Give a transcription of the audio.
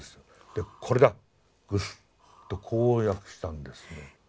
でこれだ「グス」とこう訳したんですね。